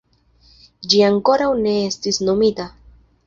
Ĝi ankoraŭ ne estis nomita.